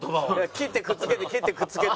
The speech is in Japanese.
切ってくっつけて切ってくっつけて。